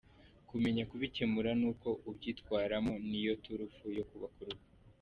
Kumenya kubikemura n’uko ubyitwaramo niyo turufu yo kubaka urugo.